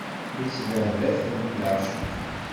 Isbehba-tent leεceq.